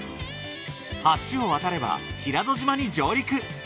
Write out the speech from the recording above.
橋を渡れば平戸島に上陸。